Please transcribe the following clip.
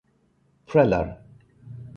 Preller.